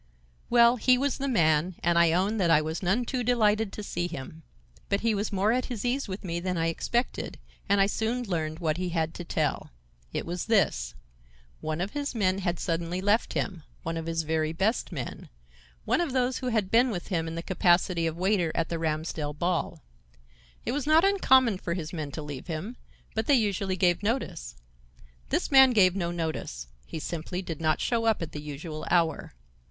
"Well, he was the man, and I own that I was none too delighted to see him. But he was more at his ease with me than I expected, and I soon learned what he had to tell. It was this: One of his men had suddenly left him, one of his very best men, one of those who had been with him in the capacity of waiter at the Ramsdell ball. It was not uncommon for his men to leave him, but they usually gave notice. This man gave no notice; he simply did not show up at the usual hour.